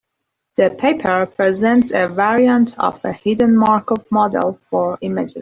The paper presents a variant of a hidden Markov model for images.